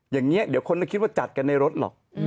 อย่างนี้เดี๋ยวคนก็คิดว่าจัดกันในรถหรอก